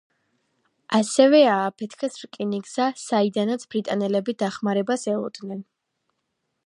ასევე ააფეთქეს რკინიგზა, საიდანაც ბრიტანელები დახმარებას ელოდნენ.